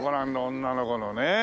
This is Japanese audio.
女の子のね。